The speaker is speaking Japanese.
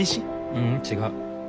ううん違う。